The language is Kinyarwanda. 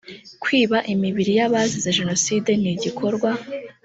kwiba imibiri y abazize jenoside ni igikorwa